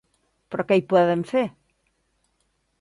Però què hi poden fer?